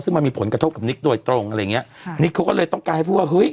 ซึ่งมันมีผลกระทบกับนิกโดยตรงอะไรอย่างเงี้ยค่ะนิกเขาก็เลยต้องการให้พูดว่าเฮ้ย